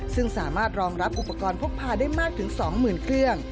ซึ่งสามารถรองรับอุปกรณ์พกพาได้มากถึง๒๐๐๐เครื่อง